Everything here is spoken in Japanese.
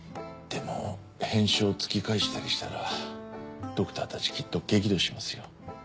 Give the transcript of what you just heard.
でも返書を突き返したりしたらドクターたちきっと激怒しますよ。